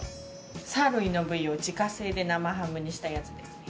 サーロインの部位を自家製で生ハムにしたやつです。